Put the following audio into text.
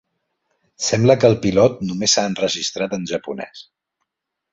Sembla que el pilot només s'ha enregistrat en japonès.